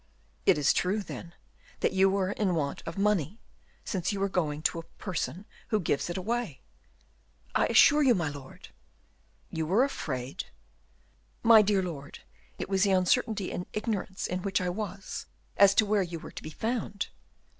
"It is true, then, that you were in want of money, since you were going to a person who gives it away!" "I assure you, my lord " "You were afraid?" "My dear lord, it was the uncertainty and ignorance in which I was as to where you were to be found."